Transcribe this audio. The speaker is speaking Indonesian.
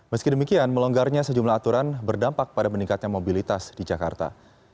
meski demikian melonggarnya sejumlah aturan berdampak pada meningkatnya mobilitas di jakarta